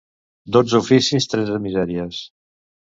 Dotze oficis, tretze misèries.